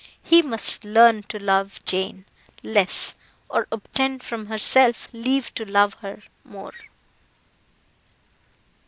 He must learn to love Jane less, or obtain from herself leave to love her more.